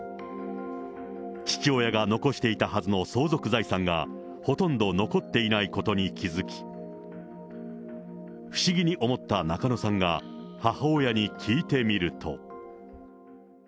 父親が残していたはずの相続財産が、ほとんど残っていないことに気付き、不思議に思った中野さんが母親に聞いてみると。